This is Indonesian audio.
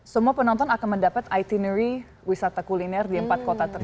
semua penonton akan mendapat itinery wisata kuliner di empat kota tersebut